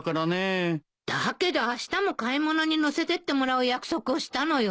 だけどあしたも買い物に乗せてってもらう約束をしたのよ。